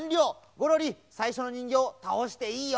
ゴロリさいしょのにんぎょうたおしていいよ。